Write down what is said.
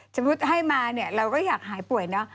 สมมุติให้มาเนี่ยเราก็อยากหายป่วยเนอะ